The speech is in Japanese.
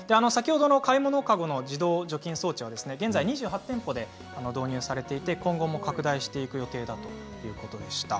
買い物カゴの自動除菌装置は今２８店舗で導入されていて今後、拡大していく予定だということでした。